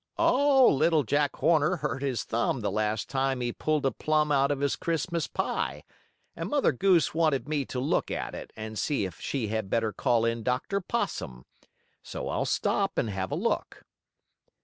"Oh, Little Jack Horner hurt his thumb the last time he pulled a plum out of his Christmas pie, and Mother Goose wanted me to look at it, and see if she had better call in Dr. Possum. So I'll stop and have a look."